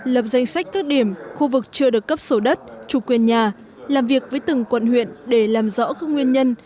lập danh sách các điểm khu vực chưa được cấp sổ đất chủ quyền nhà làm việc với từng quận huyện để làm rõ các nguyên nhân